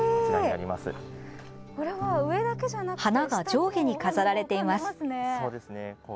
花が上下に飾られています。